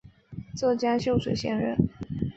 浙江秀水县人。